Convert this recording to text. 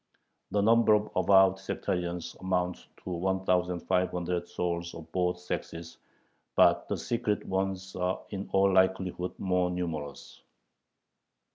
The number of avowed sectarians amounts to one thousand five hundred souls of both sexes, but the secret ones are in all likelihood more numerous.